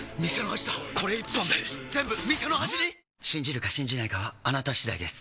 信じるか信じないかはあなた次第です